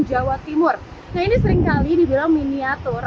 jawa timur nah ini seringkali dibilang miniatur